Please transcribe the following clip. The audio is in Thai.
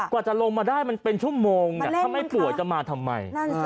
กว่าจะลงมาได้มันเป็นชั่วโมงถ้าไม่ป่วยจะมาทำไม